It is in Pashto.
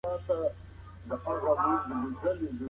جګړې، نښتې او بدبختۍ خلک له کتاب لېرې کړل.